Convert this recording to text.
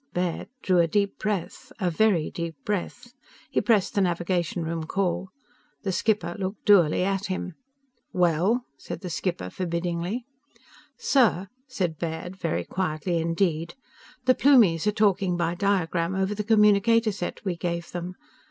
Baird drew a deep breath. A very deep breath. He pressed the navigation room call. The skipper looked dourly at him. "Well?" said the skipper forbiddingly. "Sir," said Baird, very quietly indeed, "the Plumies are talking by diagram over the communicator set we gave them.